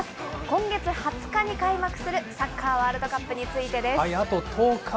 今月２０日に開幕するサッカーワールドカップについてです。